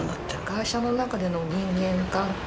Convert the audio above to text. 会社の中での人間関係。